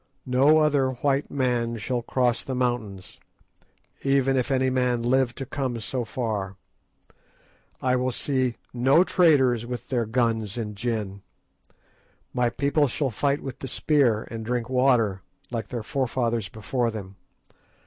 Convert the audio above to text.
No other white man shall cross the mountains, even if any man live to come so far. I will see no traders with their guns and gin. My people shall fight with the spear, and drink water, like their forefathers before them.